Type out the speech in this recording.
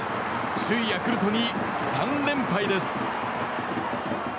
首位ヤクルトに３連敗です。